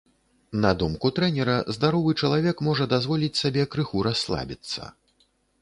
На думку трэнера, здаровы чалавек можа дазволіць сабе крыху расслабіцца.